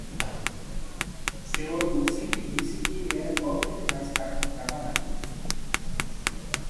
Seu avô sempre disse que ele era pobre demais para comprar barato.